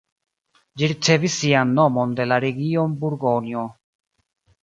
Ĝi ricevis sian nomon de la region Burgonjo.